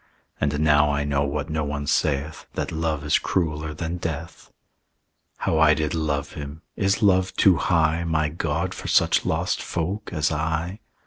"And now I know, what no one saith, That love is crueller than death. "How I did love him! Is love too high, My God, for such lost folk as I?"